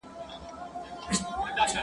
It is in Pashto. زه اوږده وخت مړۍ پخوم!